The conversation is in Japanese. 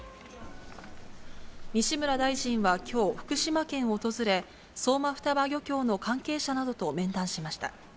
西村大臣はきょう、福島県を訪れ、相馬双葉漁協の関係者などと面談しました。